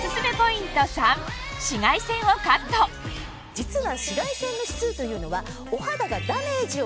実は。